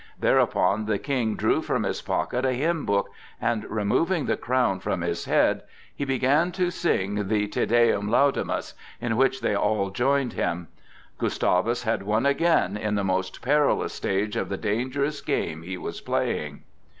Thereupon the King drew from his pocket a hymn book, and removing the crown from his head, he began to sing the "Te Deum Laudamus," in which they all joined him. Gustavus had won again in the most perilous stage of the dangerous game he was playing.